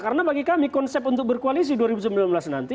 karena bagi kami konsep untuk berkoalisi dua ribu sembilan belas nanti